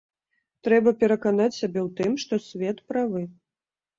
Трэба пераканаць сябе ў тым, што свет правы.